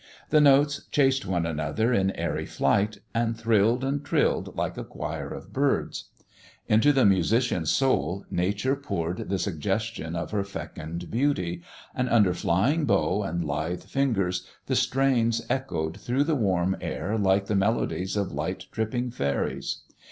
The notes chased one another in airy flight, and thrilled and trilled like a choir of birds. Into the musician's soul Nature poured the suggestion of her fecund beauty, and under flying bow and lithe fingers the strains echoed through the warm air like the melodies of light tripping fairies.